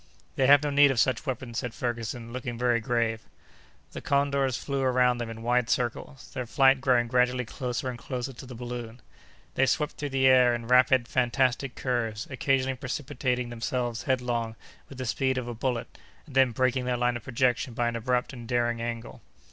"They have no need of such weapons," said Ferguson, looking very grave. The condors flew around them in wide circles, their flight growing gradually closer and closer to the balloon. They swept through the air in rapid, fantastic curves, occasionally precipitating themselves headlong with the speed of a bullet, and then breaking their line of projection by an abrupt and daring angle.